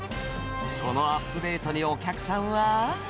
そのアップデートに、お客さんは。